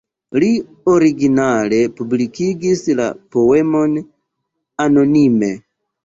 Li originale publikigis la poemon anonime.